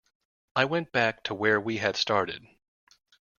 I went back to where we had started.